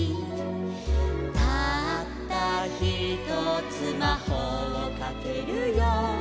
「たったひとつまほうをかけるよ」